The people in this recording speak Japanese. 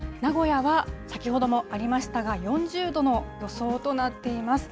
大阪は３７度、名古屋は先ほどもありましたが、４０度の予想となっています。